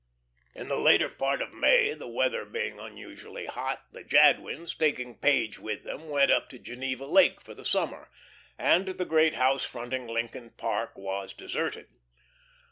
'" In the later part of May, the weather being unusually hot, the Jadwins, taking Page with them, went up to Geneva Lake for the summer, and the great house fronting Lincoln Park was deserted.